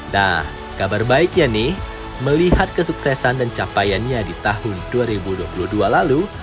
nah kabar baiknya nih melihat kesuksesan dan capaiannya di tahun dua ribu dua puluh dua lalu